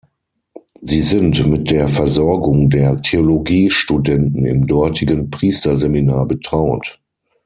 Sie sind mit der Versorgung der Theologiestudenten im dortigen Priesterseminar betraut.